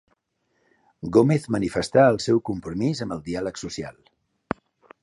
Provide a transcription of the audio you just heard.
Gómez manifestà el seu compromís amb el diàleg social.